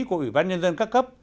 của ủy ban nhân dân các cấp